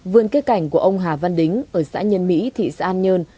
vườn cây cảnh của ông hà văn đính ở xã nhân mỹ thị xã an nhơn